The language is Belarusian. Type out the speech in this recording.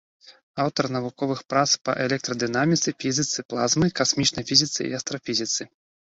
Аўтар навуковых прац па электрадынаміцы, фізіцы плазмы, касмічнай фізіцы і астрафізіцы.